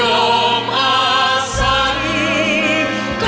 ยอมอาสันก็พระปองเทศพองไทย